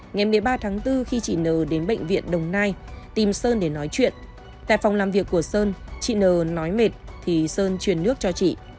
ngày một mươi ba tháng bốn khi chị n đến bệnh viện đồng nai tìm sơn để nói chuyện tại phòng làm việc của sơn chị nờ nói mệt thì sơn truyền nước cho chị